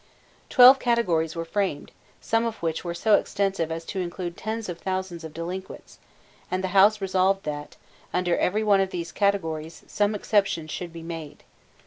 Twelve categories were framed, some of which were so extensive as to include tens of thousands of delinquents; and the House resolved that, under every one of these categories, some exceptions should be made.